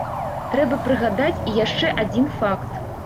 Трэба прыгадаць і яшчэ адзін факт.